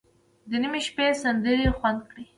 د نیمې شپې سندرې خوند کړي.